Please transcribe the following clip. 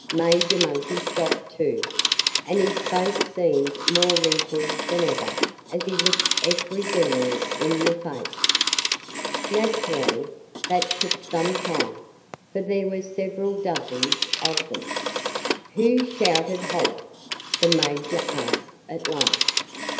Major Monkey stopped, too. And his face seemed more wrinkled than ever as he looked every general in the face. Naturally, that took some time, for there were several dozens of them. "Who shouted 'Halt?'" the Major asked at last.